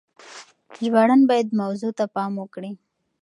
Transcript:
ژباړن بايد موضوع ته پام وکړي.